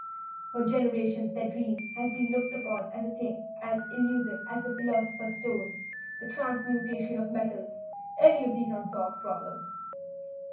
For generations their dream has been looked upon as a thing elusive as the philosopher's stone, the transmutation of metals any of these unsolved problems.